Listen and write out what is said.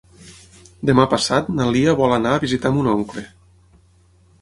Demà passat na Lia vol anar a visitar mon oncle.